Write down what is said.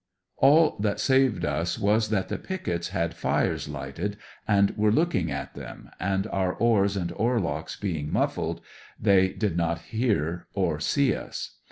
All that saved us was that the pickets had fires lighted and were looking at them, and our oars and oarlocks being muffled, they did not hear or see us.